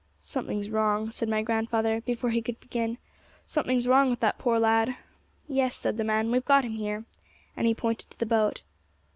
'Something's wrong,' said my grandfather, before he could begin; 'something's wrong with that poor lad.' 'Yes,' said the man, 'we've got him here; and he pointed to the boat.